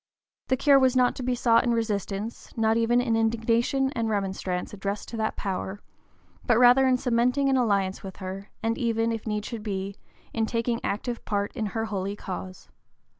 The cure was not to be sought in resistance, not even in indignation and remonstrance addressed to that power, but rather in cementing an alliance with her, and even, if need should be, in taking active part in her holy cause.